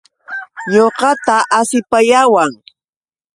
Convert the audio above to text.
Ñuqata asipayawan.